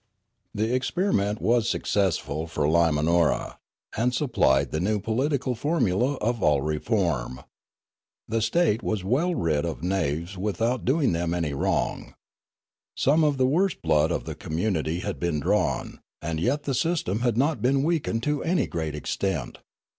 " The experiment was successful for Limanora, and supplied the new political formula of all reform. The state w^as well rid of knaves without doing them any wrong. Some of the worst blood of the community had been drawn, and yet the system had not been weakened to any great extent.